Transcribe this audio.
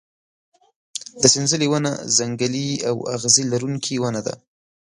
د سنځلې ونه ځنګلي او اغزي لرونکې ونه ده.